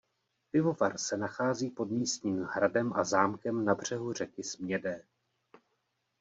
Pivovar se nachází pod místním hradem a zámkem na břehu řeky Smědé.